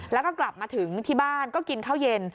แล้วก็กลับมาถึงที่บ้านก็กินข้าวเย็น